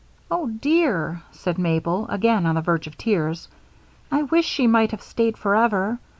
"Oh, dear," said Mabel, again on the verge of tears, "I wish she might have stayed forever.